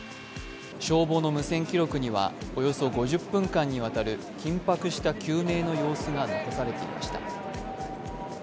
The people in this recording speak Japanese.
消防の無線記録にはおよそ５０分間にわたる緊迫した救命の様子が残されていました。